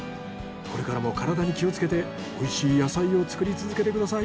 これからも体に気をつけておいしい野菜を作り続けてください！